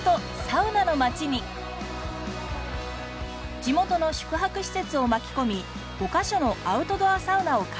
地元の宿泊施設を巻き込み５カ所のアウトドアサウナを開設。